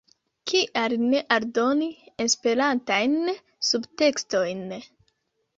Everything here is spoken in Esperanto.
"Kial ne aldoni Esperantajn subtekstojn"?